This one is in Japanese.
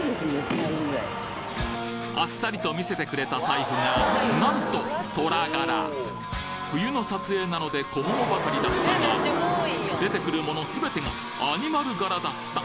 あっさりと見せてくれた財布がなんと冬の撮影なので小物ばかりだったが出てくるもの全てがアニマル柄だった！